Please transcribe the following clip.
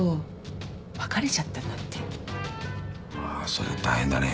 そりゃ大変だね。